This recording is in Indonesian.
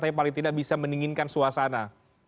tapi paling tidak bisa mendinginkan suasana